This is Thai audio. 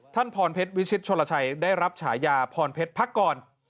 พรเพชรวิชิตชนลชัยได้รับฉายาพรเพชรพักก่อน